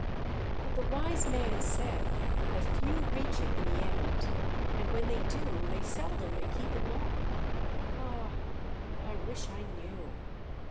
But the wise man said that few reach it in the end, and when they do they seldom may keep it long. Ah! but I wish I knew!